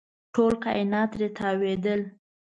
ټول کاینات ترې تاوېدل.